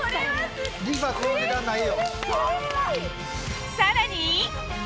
リファこの値段ないよ！